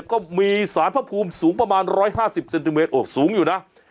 ก็มีสารพระภูมิสูงประมาณ๑๕๐เซนติเมตรโอ้สูงอยู่นะ